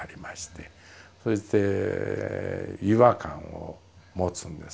そして違和感を持つんですね。